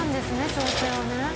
調整をね。